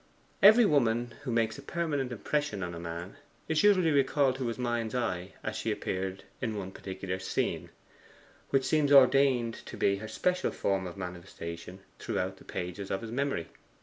Every woman who makes a permanent impression on a man is usually recalled to his mind's eye as she appeared in one particular scene, which seems ordained to be her special form of manifestation throughout the pages of his memory.